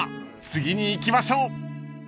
次に行きましょう］